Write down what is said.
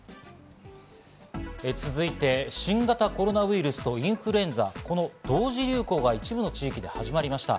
続いて新型コロナウイルスとインフルエンザ、この同時流行が一部の地域で始まりました。